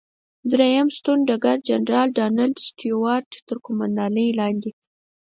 دریم ستون د ډګر جنرال ډانلډ سټیوارټ تر قوماندې لاندې.